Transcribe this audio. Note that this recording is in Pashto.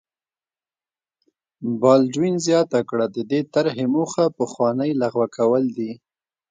بالډوین زیاته کړه د دې طرحې موخه پخوانۍ لغوه کول دي.